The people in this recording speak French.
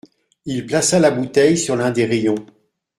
Il plaça la bouteille sur l’un des rayons